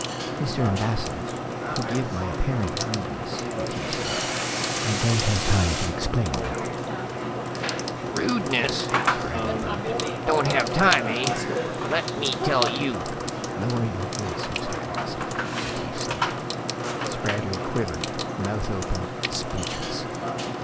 "Mr. Ambassador, forgive my apparent rudeness," Retief said. "I don't have time to explain now " "Rudeness!" Spradley barked. "Don't have time, eh? Let me tell you " "Lower your voice, Mr. Ambassador," Retief said. Spradley quivered, mouth open, speechless.